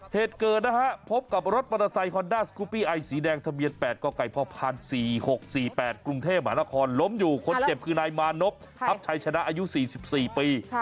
เหตุเกิดนะฮะพบกับรถมอเตอร์ไซคอนด้าสกุปปี้ไอสีแดงทะเบียน๘กกพพ๔๖๔๘กรุงเทพมหานครล้มอยู่คนเจ็บคือนายมานพทัพชัยชนะอายุ๔๔ปี